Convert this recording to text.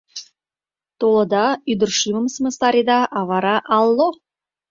Толыда — ӱдыр шӱмым сымыстареда, а вара — алло!